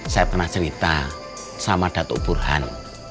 saya pernah cerita sama datuk burhan